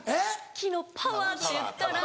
木のパワーっていったら。